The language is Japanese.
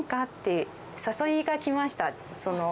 って、誘いが来ました。